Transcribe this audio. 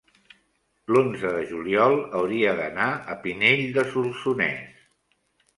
l'onze de juliol hauria d'anar a Pinell de Solsonès.